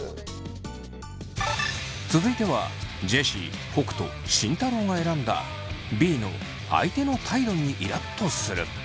続いてはジェシー北斗慎太郎が選んだＢの「相手の態度にイラっとする」。